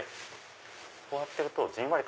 こうやってるとじんわりと。